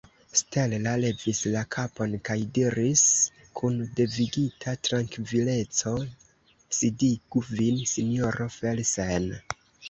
Stella levis la kapon kaj diris kun devigita trankvileco: « Sidigu vin, sinjoro Felsen ».